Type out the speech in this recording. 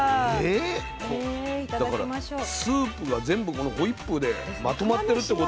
だからスープが全部このホイップでまとまってるってことでしょ。